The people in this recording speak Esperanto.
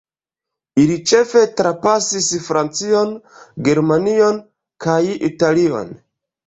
Ili ĉefe trapasis Francion, Germanion kaj Italion.